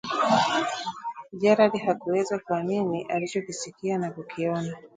Jared hakuweza kuamini alichokisikia na kukiona